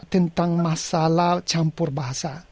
tentang masalah campur bahasa